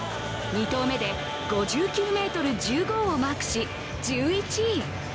２投目で５９ｍ１５をマークし、１１位。